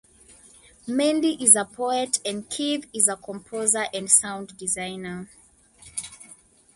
Mendi is a poet and Keith is a composer and sound designer.